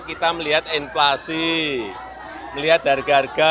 ini kita melihat inflasi melihat darga darga